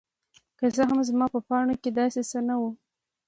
که څه هم زما په پاڼو کې داسې څه نه وو.